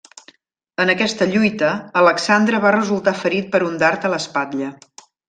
En aquesta lluita, Alexandre va resultar ferit per un dard a l'espatlla.